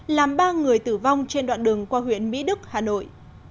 làm ba người tử vong trên đoạn đường qua huyện mỹ đức hà nội